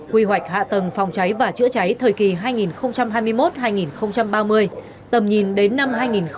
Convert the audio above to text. quy hoạch hạ tầng phòng cháy và chữa cháy thời kỳ hai nghìn hai mươi một hai nghìn ba mươi tầm nhìn đến năm hai nghìn năm mươi